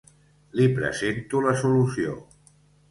Li presento la solució.